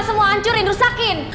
semua hancurin rusakin